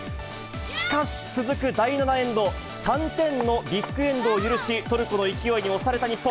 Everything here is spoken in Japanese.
しかし、続く第７エンド、３点のビッグエンドを許し、トルコの勢いに押された日本。